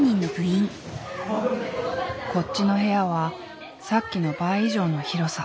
こっちの部屋はさっきの倍以上の広さ。